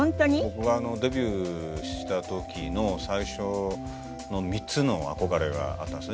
僕がデビューした時の最初の３つの憧れがあったんですね。